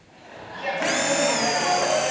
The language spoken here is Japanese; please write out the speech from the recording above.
ぜひちょっとこれやってくださいよ。